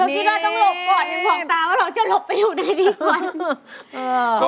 ยังบอกตาว่าเราจะหลบไปอยู่ในที่ก่อน